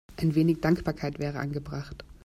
Ein wenig Dankbarkeit wäre angebracht.